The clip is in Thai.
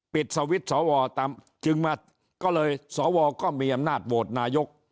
ปิดสวิทธิ์สอวอร์ตำจึงมาก็เลยสอวอร์ก็มีอำนาจโหวตนายก